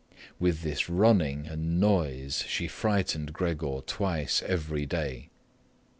With this running and noise she frightened Gregor twice every day.